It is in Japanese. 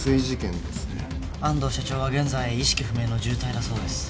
安藤社長は現在意識不明の重体だそうです。